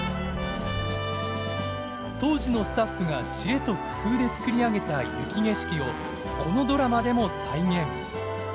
当時のスタッフが知恵と工夫で作り上げた雪景色をこのドラマでも再現。